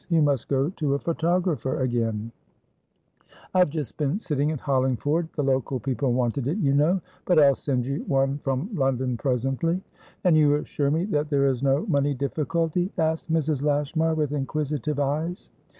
You must go to a photographer again" "I've just been sitting at Hollingford. The local people wanted it, you know. But I'll send you one from London presently." "And you assure me that there is no money difficulty?" asked Mrs. Lashmar, with inquisitive eyes.